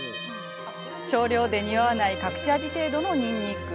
少量でにおわない隠し味程度のにんにく。